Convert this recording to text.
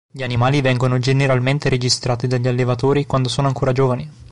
Gli animali vengono generalmente registrati dagli allevatori quando sono ancora giovani.